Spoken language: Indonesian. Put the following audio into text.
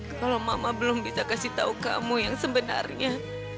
kalau mama belum bisa kasih tahu kamu yang sebenarnya